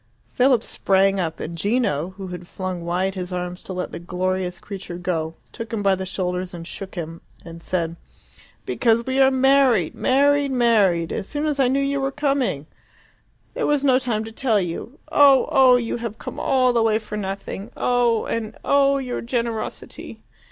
Philip sprang up, and Gino, who had flung wide his arms to let the glorious creature go, took him by the shoulders and shook him, and said, "Because we are married married married as soon as I knew you were, coming. There was no time to tell you. Oh. oh! You have come all the way for nothing. Oh! And oh, your generosity!"